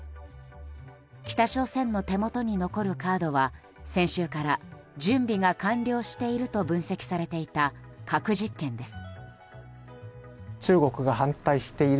北朝鮮の手元に残るカードは先週から準備が完了していると分析されていた核実験です。